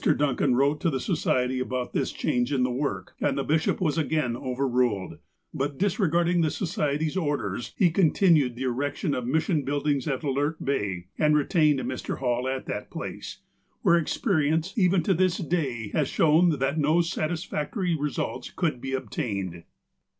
Duncan wrote to the Society about this change in the work, and the bishop was again overruled. But, dis regarding the Society's orders, he continued the erection of mission buildings at Alert Bay, and retained Mr. Hall at a place, where experience, even to this day, has shown that no satisfactory results could be obtained.